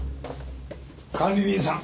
管理人さん。